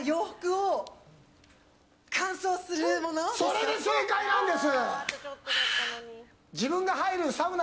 それで正解なんです！